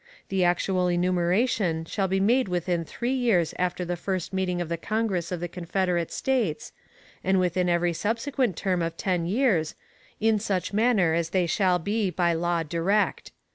The actual enumeration shall be made within three years after the first meeting of the Congress of the Confederate States, and within every subsequent term of ten years, in such manner as they shall be by law direct.